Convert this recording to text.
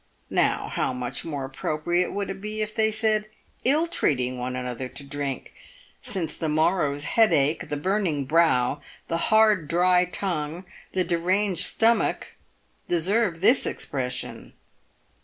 Now, how much more appropriate would it be if they said ill treating one another to drink, since the morrow's headache, the burning brow, the hard, dry tongue, the deranged stomach deserve this expression."